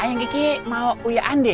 ayang kiki mau uyaan deh